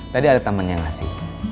tadi ada tamannya enggak sih